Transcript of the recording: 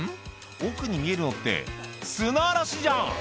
奥に見えるのって砂嵐じゃん！